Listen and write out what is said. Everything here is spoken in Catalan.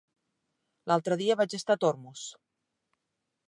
L'altre dia vaig estar a Tormos.